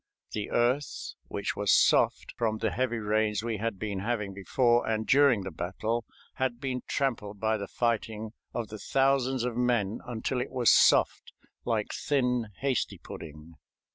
The earth, which was soft from the heavy rains we had been having before and during the battle, had been trampled by the fighting of the thousands of men until it was soft, like thin hasty pudding.